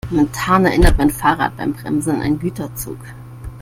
Momentan erinnert mein Fahrrad beim Bremsen an einen Güterzug.